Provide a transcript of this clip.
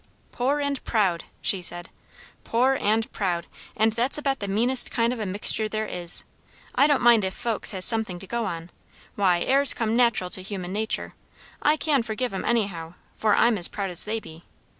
"Poor and proud!" she said. "Poor and proud. And that's about the meanest kind of a mixture there is. I don't mind if folks has something to go on why, airs come nat'ral to human nature; I can forgive 'em anyhow, for I'm as proud as they be.